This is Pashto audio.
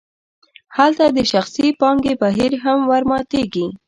هلته د شخصي پانګې بهیر هم ورماتیږي.